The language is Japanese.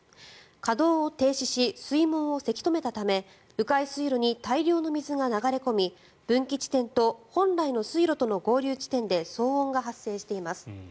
稼働を停止し水門をせき止めたため迂回水路に大量の水が流れ込み分岐地点と本来の水路との合流地点で騒音が発生しています。